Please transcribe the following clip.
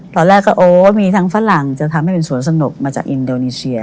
ตอนแรกก็โอ้มีทั้งฝรั่งจะทำให้เป็นสวนสนุกมาจากอินโดนีเซีย